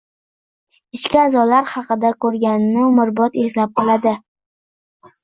ichki a’zolar haqida ko‘rganini umrbod eslab qoladi.